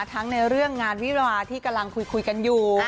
ทั้งในเรื่องงานวิบัติภาพปลูกภาพที่กำลังคุยกันอยู่